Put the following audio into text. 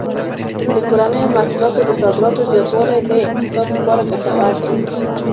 د کورنیو محصولاتو د صادراتو زیاتوالی د اقتصاد لپاره ګټور دی.